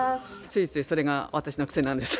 ついついそれが私の癖なんです。